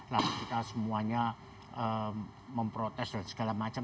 lalu kita semuanya memprotes dan segala macam